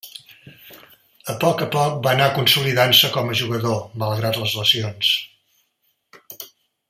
A poc a poc va anar consolidant-se com a jugador, malgrat les lesions.